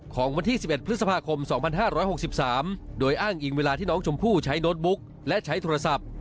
ของวันที่๑๑พฤษภาคม๒๕๖๓โดยอ้างอิงเวลาที่น้องชมพู่ใช้โน้ตบุ๊กและใช้โทรศัพท์